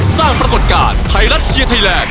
สร้างปรากฏการณ์ไทยรัฐเชียร์ไทยแลนด